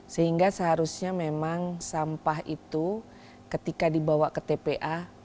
sehingga seharusnya memang sampah itu ketika dibawa ke tpa